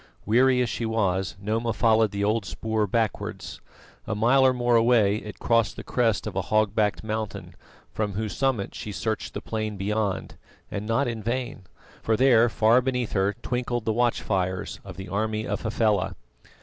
Weary as she was, Noma followed the old spoor backwards. A mile or more away it crossed the crest of a hog backed mountain, from whose summit she searched the plain beyond, and not in vain, for there far beneath her twinkled the watch fires of the army of Hafela.